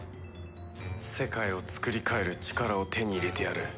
世界をつくり変える力を手に入れてやる。